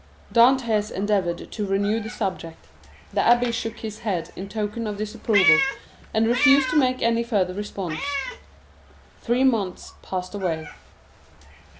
Dantès endeavored to renew the subject; the abbé shook his head in token of disapproval, and refused to make any further response. Three months passed away.